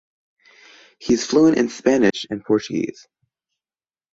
He is fluent in Spanish and Portuguese.